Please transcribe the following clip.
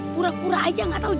pura pura aja gak tau